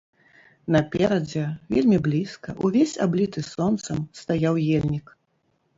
Наперадзе, вельмі блізка, увесь абліты сонцам, стаяў ельнік.